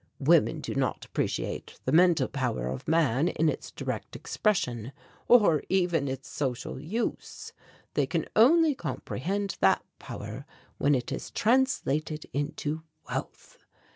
Women do not appreciate the mental power of man in its direct expression, or even its social use; they can only comprehend that power when it is translated into wealth.